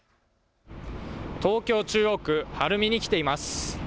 東京中央区晴海に来ています。